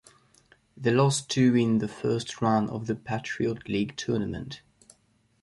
They lost to in the First Round of the Patriot League Tournament.